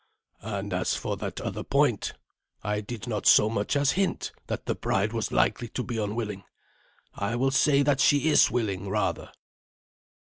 "And as for that other point, I did not so much as hint that the bride was likely to be unwilling. I will say that she is willing, rather."